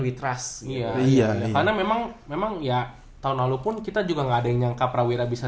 witras iya iya karena memang memang ya tahun lalu pun kita juga enggak ada yang nyangka prawira bisa